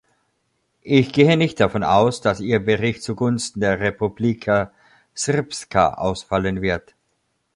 Ich gehe nicht davon aus, dass ihr Bericht zugunsten der Republika Srpska ausfallen wird.